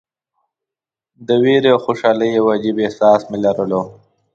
د ویرې او خوشالۍ یو عجیب احساس مې لرلو.